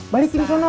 balikin ke sana